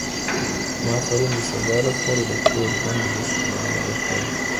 ما پرون د سبا لپاره د کور دندو بشپړونه وکړه.